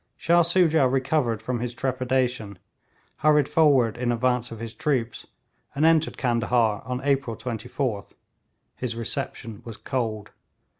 Shah Soojah recovered from his trepidation, hurried forward in advance of his troops, and entered Candahar on April 24th. His reception was cold.